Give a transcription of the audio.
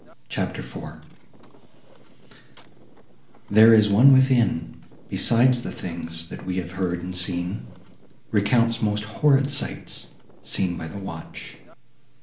CHAPTER IV There is one within, Besides the things that we have heard and seen, Recounts most horrid sights, seen by the watch.